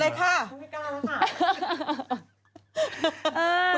ไม่กล้าแล้วค่ะ